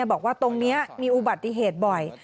บอกว่าตรงนี้มีอุบัติเหตุบ่อย